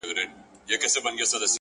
حوصله د لویو لاسته راوړنو شرط دی،